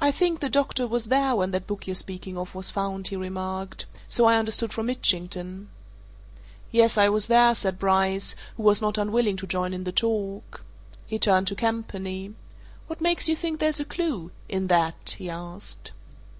"I think the doctor was there when that book you're speaking of was found," he remarked. "So I understood from Mitchington." "Yes, I was there," said Bryce, who was not unwilling to join in the talk. He turned to Campany. "What makes you think there's a clue in that?" he asked.